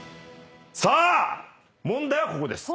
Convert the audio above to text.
さあ問題はここです。